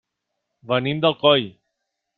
Venim d'Alcoi.